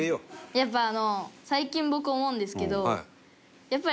やっぱりあの最近僕思うんですけどやっぱり。